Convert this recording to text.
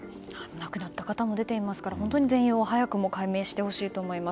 亡くなった方も出ていますから全容を早く解明してほしいと思います。